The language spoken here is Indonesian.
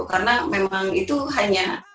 karena memang itu hanya